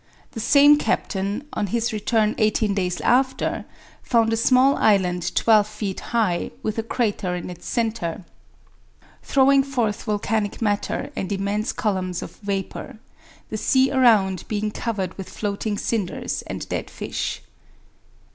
The same captain, on his return eighteen days after, found a small island twelve feet high, with a crater in its centre, throwing forth volcanic matter and immense columns of vapor, the sea around being covered with floating cinders and dead fish.